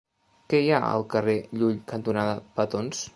Què hi ha al carrer Llull cantonada Petons?